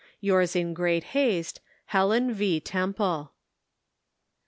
Yours in great haste, '' HELEN V. TEMPLE."